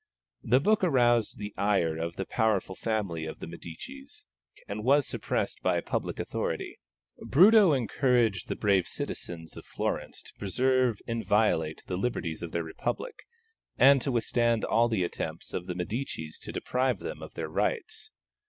This book aroused the ire of the powerful family of the Medicis, and was suppressed by public authority. Bruto encouraged the brave citizens of Florence to preserve inviolate the liberties of their republic, and to withstand all the attempts of the Medicis to deprive them of their rights.